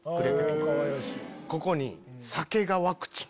ここに。